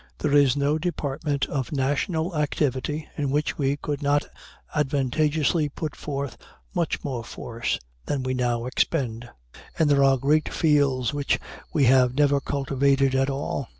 There is no department of national activity in which we could not advantageously put forth much more force than we now expend; and there are great fields which we have never cultivated at all.